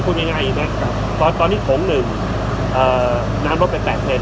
ตอนนี้สงครามสองหนึ่งน้ำรสไป๘เซน